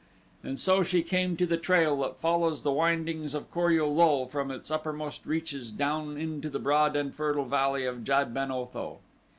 And so she came to the trail that follows the windings of Kor ul lul from its uppermost reaches down into the broad and fertile Valley of Jad ben Otho.